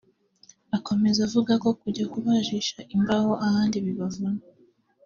Akomeza avuga ko kujya kubajisha imbaho ahandi bibavuna